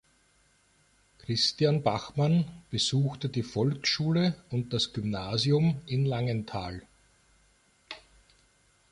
Christian Bachmann besuchte die Volksschule und das Gymnasium in Langenthal.